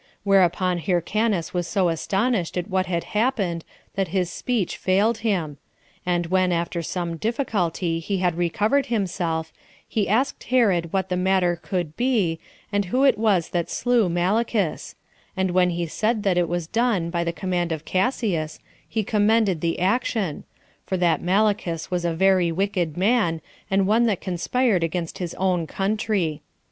Whereupon Hyrcanus was so astonished at what had happened, that his speech failed him; and when, after some difficulty, he had recovered himself, he asked Herod what the matter could be, and who it was that slew Malichus; and when he said that it was done by the command of Cassius, he commended the action; for that Malichus was a very wicked man, and one that conspired against his own country.